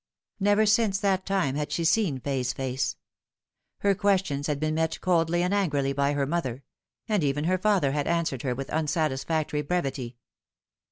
Never since that time had she seen Fay's face. Her questions had been met coldly or angrily by her mother ; and even her father had answered her with unsatisfactory brevity.